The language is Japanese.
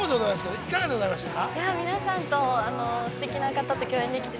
いかがでございましたか。